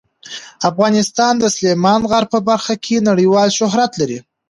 افغانستان د سلیمان غر په برخه کې نړیوال شهرت لري.